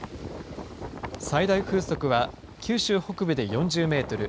最大風速は九州北部で４０メートル。